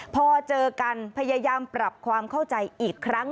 พอเจอกันพยายามปรับความเข้าใจอีกครั้ง